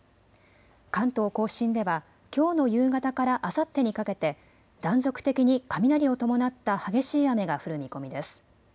関東甲信ではきょうの夕方からあさってにかけて断続的に雷を伴った激しい雨が降る見込みです。